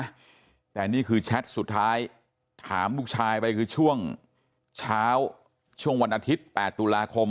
มันแต่นี่คือแชทสุดท้ายถามลูกชายไปคือช่วงเช้าวันอาทิตย์๘๐๐น